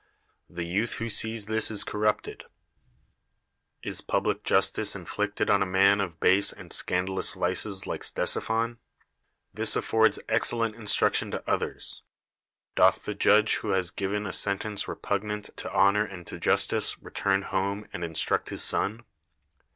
The youth who sees this is corrupted. Is public justice inflicted on a man of base and scandalous vices like Ctesiphon? This affords excellent instruction to others. Doth the judge who has given a sentence repugnant to honor and to justice return home and instruct his son?